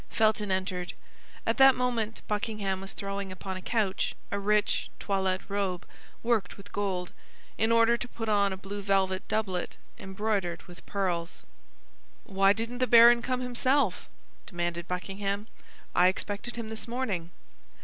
Felton entered. At that moment Buckingham was throwing upon a couch a rich toilet robe, worked with gold, in order to put on a blue velvet doublet embroidered with pearls. "Why didn't the baron come himself?" demanded Buckingham. "I expected him this morning."